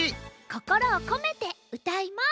こころをこめてうたいます！